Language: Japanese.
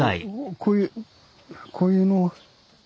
こういうこういうのを。